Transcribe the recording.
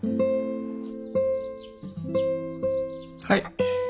はい。